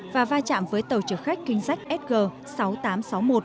và va chạm với tàu chở khách king jack sg sáu nghìn tám trăm sáu mươi một